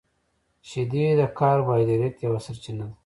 • شیدې د کاربوهایډریټ یوه سرچینه ده.